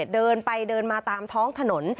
เดินไปเดินมาตามท้องถนน